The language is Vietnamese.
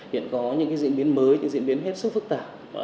hiện có những diễn biến mới những diễn biến hết sức phức tạp